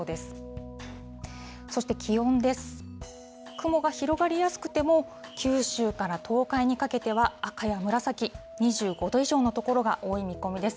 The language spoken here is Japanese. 雲が広がりやすくても、九州から東海にかけては、赤や紫、２５度以上の所が多い見込みです。